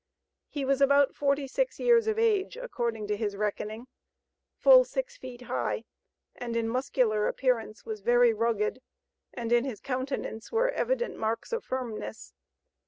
He was about forty six years of age, according to his reckoning, full six feet high, and in muscular appearance was very rugged, and in his countenance were evident marks of firmness.